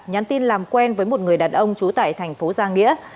nhắn tin làm quen với một người đàn ông trú tại thành phố giang nghĩa